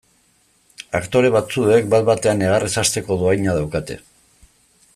Aktore batzuek bat batean negarrez hasteko dohaina daukate.